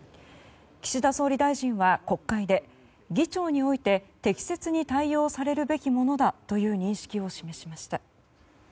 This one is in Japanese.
岸田総理大臣は国会で議長において適切に対応されるべきものだという認識を示しました。